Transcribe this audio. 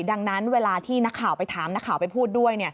ดังนั้นเวลาที่นักข่าวไปถามนักข่าวไปพูดด้วย